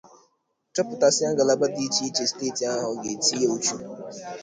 chọpụtasịa ngalaba dị iche iche steeti ahụ ga-etinye uchu